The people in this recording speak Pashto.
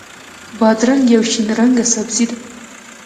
بادرنګ یو شین رنګه سبزي ده.